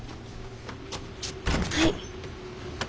はい。